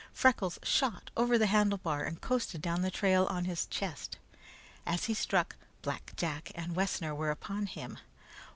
Freckles shot over the handlebar and coasted down the trail on his chest. As he struck, Black Jack and Wessner were upon him.